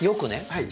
はい。